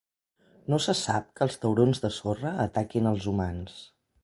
No se sap que els taurons de sorra ataquin els humans.